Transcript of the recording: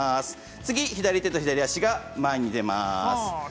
次に左手と左足が前に出ます。